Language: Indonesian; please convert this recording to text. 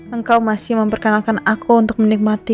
engkau masih memperkenalkan aku untuk menikmati